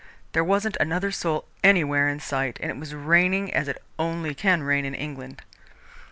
There wasn't another soul anywhere in sight, and it was raining as it only can rain in England."